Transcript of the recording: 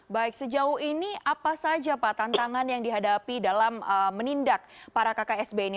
baik sejauh ini apa saja pak tantangan yang dihadapi dalam menindak para kksb ini